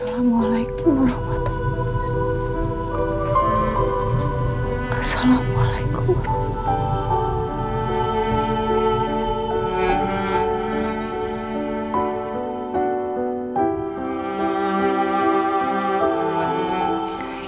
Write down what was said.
assalamualaikum warahmatullahi wabarakatuh